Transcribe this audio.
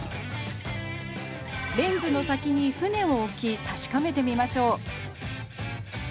レンズの先に船を置き確かめてみましょう。